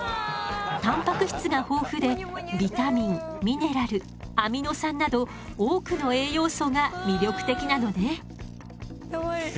たんぱく質が豊富でビタミンミネラルアミノ酸など多くの栄養素が魅力的なのね。